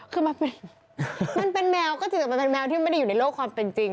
คือมันเป็นมันเป็นแมวก็จริงแต่มันเป็นแมวที่ไม่ได้อยู่ในโลกความเป็นจริง